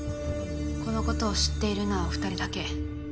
このことを知っているのは２人だけ。